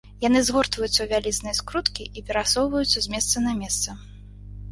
Яны згортваюцца ў вялізныя скруткі і перасоўваюцца з месца на месца.